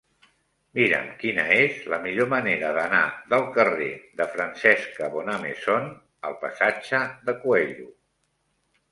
Mira'm quina és la millor manera d'anar del carrer de Francesca Bonnemaison al passatge de Coello.